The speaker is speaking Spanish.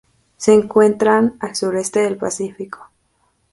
Se encuentran al sureste del Pacífico.